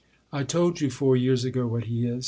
" I told you four years ago what he is.